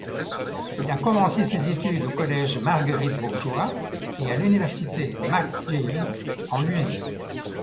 Il a commencé ses études au Collège Marguerite-Bourgeoys et à l'Université McGill en musique.